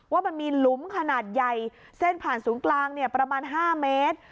ว่ามันมีหลุมขนาดใหญ่เส้นผ่านศูนย์กลางประมาณ๕เมตร